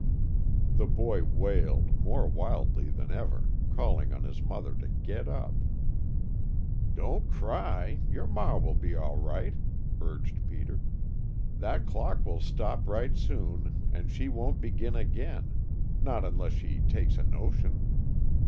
The boy wailed, more wildly than ever, calling on his mother to get up. "Don't cry, your ma will be all right!" urged Peter. "That clock will stop right soon, and she won't begin again not unless she takes a notion."